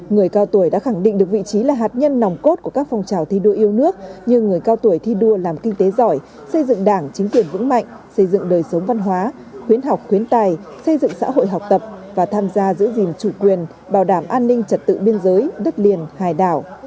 người cao tuổi đã khẳng định được vị trí là hạt nhân nòng cốt của các phong trào thi đua yêu nước như người cao tuổi thi đua làm kinh tế giỏi xây dựng đảng chính quyền vững mạnh xây dựng đời sống văn hóa khuyến học khuyến tài xây dựng xã hội học tập và tham gia giữ gìn chủ quyền bảo đảm an ninh trật tự biên giới đất liền hải đảo